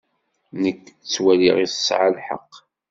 Nekk ttwaliɣ tesɛa lḥeqq.